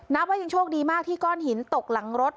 นับว่ายังโชคดีมากที่ก้อนหินตกหลังรถ